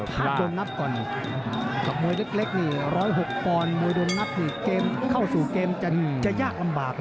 ไปพัดจนนับก่อน